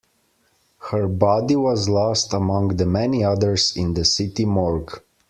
Her body was lost among the many others in the city morgue.